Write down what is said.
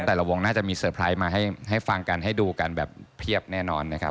แต่ละวงน่าจะมีเซอร์ไพรส์มาให้ฟังกันให้ดูกันแบบเพียบแน่นอนนะครับ